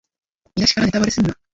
見だしからネタバレすんな